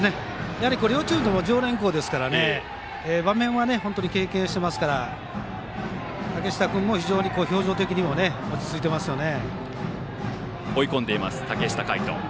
両チームとも常連校ですから場面は本当に経験していますから竹下君も非常に表情的にも落ち着いていますよね。